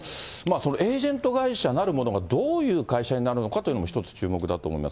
そのエージェント会社なるものがどういう会社になるのかというのも一つ注目だと思います。